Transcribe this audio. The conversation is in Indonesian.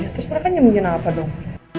ya terus mereka nyemukin apa dong